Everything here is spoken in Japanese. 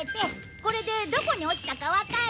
これでどこに落ちたかわかる。